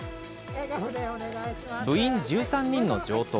部員１３人の城東。